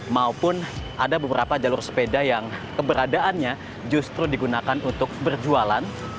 maupun ada beberapa jalur sepeda yang keberadaannya justru digunakan untuk berjualan